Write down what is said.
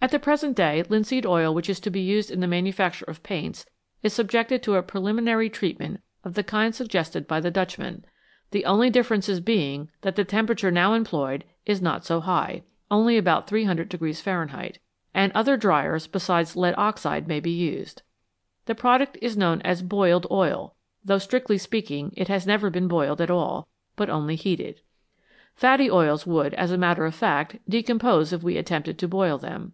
At the present day linseed oil which is to be used in the manufacture of paints is subjected to a preliminary treatment of the kind suggested by the Dutchman, the only differences being that the temperature now employed is not so high (only about 300 Fahrenheit), and other " driers " besides lead oxide may be used. The product is known as " boiled " oil, although, strictly speaking, it has never been boiled at all, but only heated ; fatty oils would, as a matter of fact, decompose if we attempted to boil them.